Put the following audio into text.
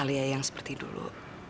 alia yang seperti dulu